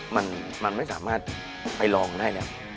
มันไม่สามารถไปลองได้แล้ว